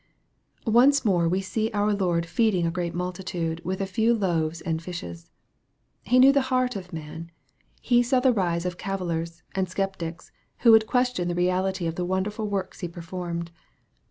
ONCE more we see our Lord feeding a great multitude with a few loaves and fishes. He knew the heart of man. He saw the rise of cavillers and skeptics, who would question the reality of the wonderful works He performed.